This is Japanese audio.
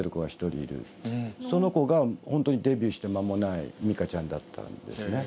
その子がデビューして間もない美嘉ちゃんだったんですね。